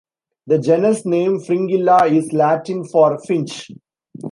The genus name "Fringilla" is Latin for "finch".